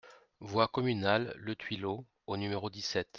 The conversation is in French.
Voie Communale Le Tuilot au numéro dix-sept